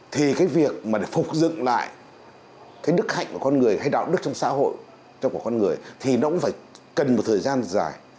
thì cái việc mà để phục dựng lại cái đức hạnh của con người hay đạo đức trong xã hội của con người thì nó cũng phải cần một thời gian dài